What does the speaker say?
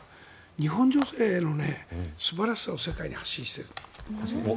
日本女性のすばらしさを世界に発信している。